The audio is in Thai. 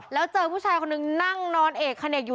แล้วเจอผู้ชายคนนึงนั่งนอนเอกเขเนกอยู่